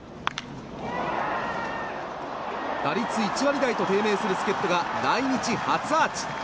打率１割台と低迷する助っ人が来日初アーチ。